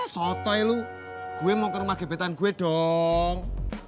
sotai lo gue mau ke rumah gebetan gue dong